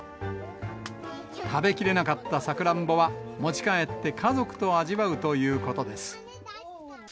食べきれなかったサクランボは、持ち帰って家族と味わうということです。